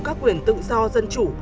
các quyền tự do dân chủ